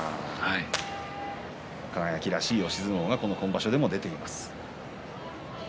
輝らしい押し相撲がこの場所、出ています。